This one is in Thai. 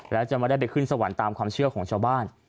แล้วจะไม่ได้ไปขึ้นสวรรค์ตามความเชื่อของชาวบ้าน